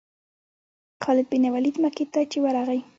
خالد بن ولید مکې ته چې ورغی.